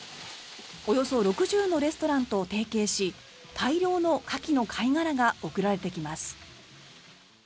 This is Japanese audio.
およそ６０のレストランと提携し大量のカキの貝殻が送られてきます。